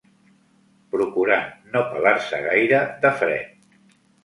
Procurant no pelar-se gaire de fred.